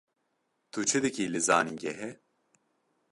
Tu çi dikî li zanîngehê?